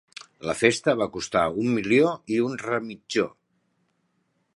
La festa va costar un milió i un remitjó.